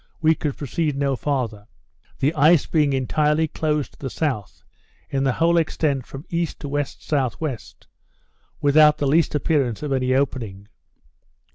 we could proceed no farther; the ice being entirely closed to the south, in the whole extent from E. to W.S.W., without the least appearance of any opening.